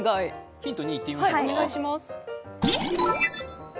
ヒント２いってみましょう。